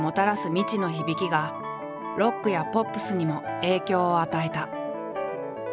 未知の響きがロックやポップスにも影響を与えた。